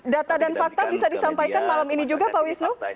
data dan fakta bisa disampaikan malam ini juga pak wisnu